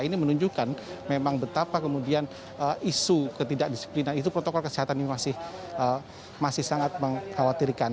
ini menunjukkan memang betapa kemudian isu ketidakdisiplinan itu protokol kesehatan ini masih sangat mengkhawatirkan